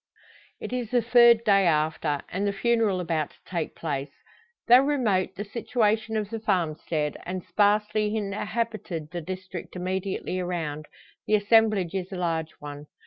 It is the third day after, and the funeral about to take place. Though remote the situation of the farm stead, and sparsely inhabited the district immediately around, the assemblage is a large one.